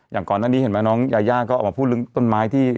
อย่างก่อนหน้านี้เห็นไหมน้องยายาก็ออกมาพูดเรื่องต้นไม้ที่